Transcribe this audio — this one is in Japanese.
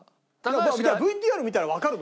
ＶＴＲ見たらわかるの？